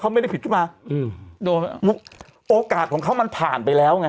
เขาไม่ได้ผิดขึ้นมาอืมโดนโอกาสของเขามันผ่านไปแล้วไง